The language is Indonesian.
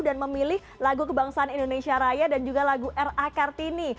dan memilih lagu kebangsaan indonesia raya dan juga lagu r a kartini